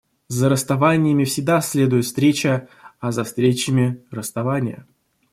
За расставаниями всегда следует встреча, а за встречами — расставания.